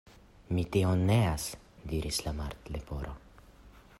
"Mi tion neas," diris la Martleporo.